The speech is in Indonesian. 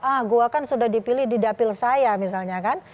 ah gue kan sudah dipilih di dapil saya misalnya kan